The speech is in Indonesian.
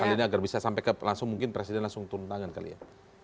hal ini agar bisa sampai langsung mungkin presiden langsung turun tangan kali ya